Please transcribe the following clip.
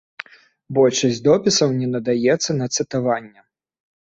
Большасць допісаў не надаецца на цытаванне.